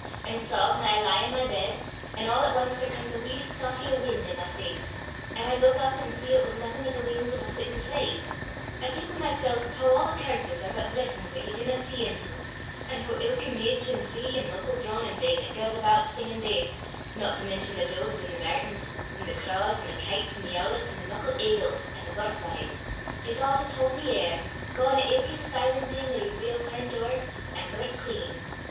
An' sae whan I lie i' my bed, an' a' at ance there comes a wee soughie o' win' i' my face, an' I luik up an' see it was naething but the wings o' a flittin' flee, I think wi' mysel' hoo a' the curses are but blessin's 'at ye dinna see intil, an' hoo ilka midge, an' flee, an' muckle dronin' thing 'at gangs aboot singin' bass, no to mention the doos an' the mairtins an' the craws an' the kites an' the oolets an' the muckle aigles an' the butterflees, is a' jist haudin' the air gauin' 'at ilka defilin' thing may be weel turnt ower, an' brunt clean.